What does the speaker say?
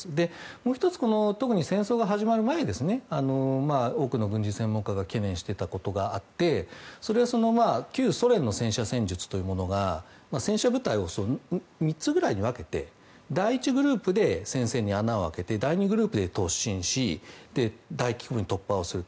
もう１つ特に戦争が始まる前に多くの軍事専門家が懸念していたことがあってそれは旧ソ連の戦車戦術が戦車部隊を３つくらいに分けて第１グループで先制で穴を開けて第２グループで突進し大規模な突破をすると。